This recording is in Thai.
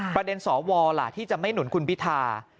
ประเด็นสอวรล่ะที่จะไม่หนุนคุณวิทา